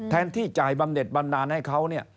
ที่จ่ายบำเน็ตบำนานให้เขาเนี่ย